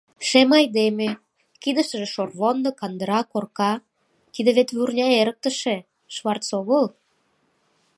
Шем айдеме, кидыштыже шорвондо, кандыра, корка — тиде вет вурня эрыктыше, Шварц огыл?